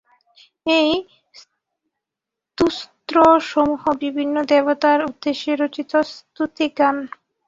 এই স্তোত্রসমূহ বিভিন্ন দেবতার উদ্দেশে রচিত স্তুতিগান।